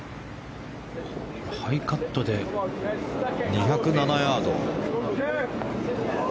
ハイカットで２０７ヤード。